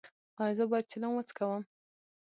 ایا زه باید چلم وڅکوم؟